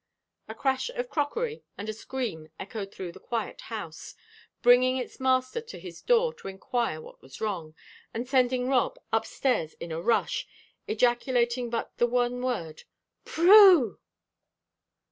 A crash of crockery and a scream echoed through the quiet house, bringing its master to his door to inquire what was wrong, and sending Rob upstairs in a rush, ejaculating but the one word: "Prue!"